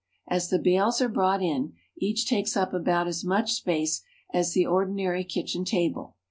As the bales are brought in, each takes up about as much space as the ordinary kitchen table.